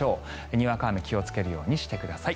にわか雨に気をつけるようにしてください。